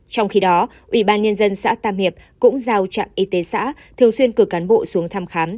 trong khi đó ủy ban nhân dân xã tam hiệp cũng giao trạm y tế xã thường xuyên cử cán bộ xuống thăm khám